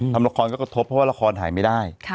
ทำละครก็กระทบเพราะว่าละครหายไม่ได้